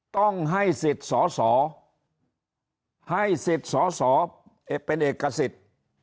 ต้องให้สิทธิ์สอสอให้สิทธิ์สอสอเป็นเอกสิทธิ์